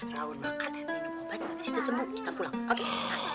raun makan minum obat abis itu sembuh kita pulang